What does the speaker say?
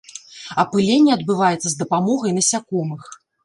Апыленне адбываецца з дапамогай насякомых.